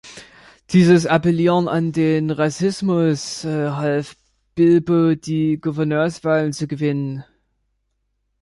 Dieses Appellieren an den Rassismus half Bilbo die Gouverneurswahlen zu gewinnen.